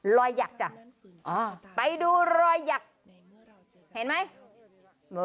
หยักจ้ะไปดูรอยหยักเห็นไหม